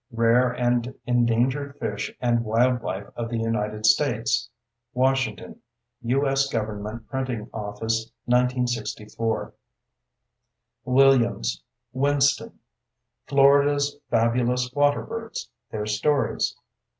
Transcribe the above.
Rare and Endangered Fish and Wildlife of the United States. Washington: U.S. Government Printing Office, 1964. Williams, Winston. _Florida's Fabulous Waterbirds: Their Stories.